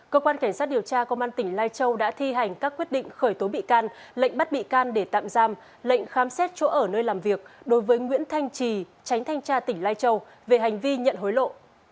cơ quan cảnh sát điều tra công an tỉnh lai châu đã thi hành các quyết định khởi tố bị can lệnh bắt bị can để tạm giam lệnh khám xét chỗ ở nơi làm việc đối với nguyễn thanh trì tránh thanh tra tỉnh lai châu về hành vi nhận hối lộ